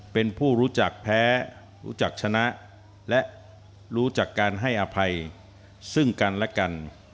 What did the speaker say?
เป็นผู้รู้จักแพ้รู้จักชนะและรู้จักการให้อภัยซึ่งกันและกัน